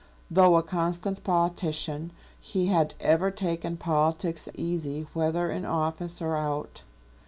Though a constant politician, he had ever taken politics easy whether in office or out.